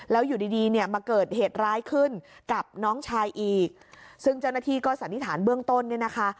แล้วอยู่ดีดีเนี่ยมาเกิดเหตุร้ายขึ้นกับน้องชายอีกซึ่งเจ้าหน้าที่ก็สันนิษฐานเบื้องต้นเนี่ยนะคะ